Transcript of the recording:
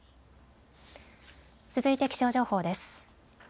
続いて気象情報です。